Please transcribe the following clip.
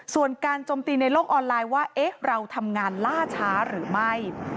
ส่วนการจมตีในโลกออนไลน์ว่าเราทำงานล่าช้าหรือไม่